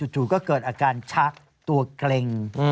จู่ก็เกิดอาการชักตัวเกร็ง